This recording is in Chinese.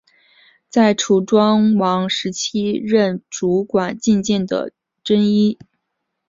在楚庄王时期任主管进谏的箴尹。